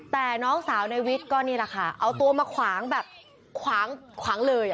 แต่น้องสาวในวิทย์ก็นี่แหละค่ะเอาตัวมาขวางแบบขวางขวางเลย